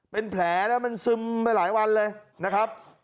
เป็นแผลแล้วมันซึมไปหลายวันเลยนะครับ